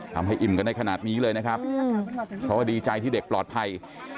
ทำให้อิ่มกันได้ขนาดนี้เลยนะครับเพราะว่าดีใจที่เด็กปลอดภัย